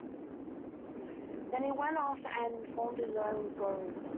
Then he went off and formed his own grou.